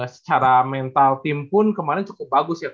secara mental tim pun kemarin cukup bagus ya